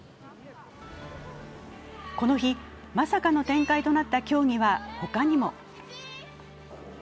この日、まさかの展開となった競技は他にも。